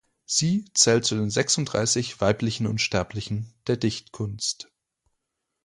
Sie zählt zu den Sechsunddreißig weiblichen Unsterblichen der Dichtkunst.